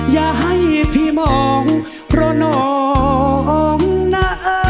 อย่าให้พี่มองเพราะน้องนะ